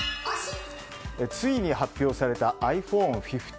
ついに発表されたｉＰｈｏｎｅ１５。